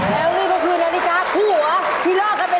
แล้วนี่ก็คือนาฬิกาคู่หัวที่เลิกกันไป